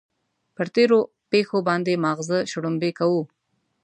پر تېرو پېښو باندې ماغزه شړومبې کوو.